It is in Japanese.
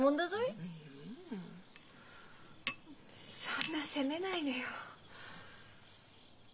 そんな責めないでよ。